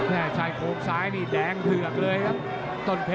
นี่ไอ้ชายโครงซ้ายนี่แดงเผือกเลยครับ